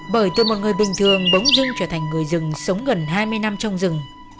bởi từ một người bình thường bống rưng trở thành người rừng sống gần hai mươi năm trong rừng